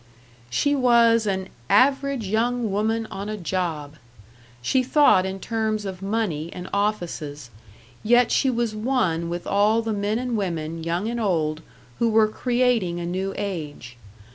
She was an Average Young Woman on a Job; she thought in terms of money and offices; yet she was one with all the men and women, young and old, who were creating a new age.